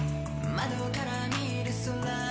窓から見る空